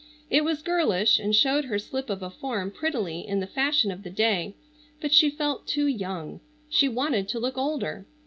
It was girlish, and showed her slip of a form prettily in the fashion of the day, but she felt too young. She wanted to look older.